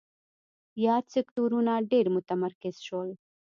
یاد سکتورونه ډېر متمرکز شول.